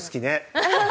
ハハハハ！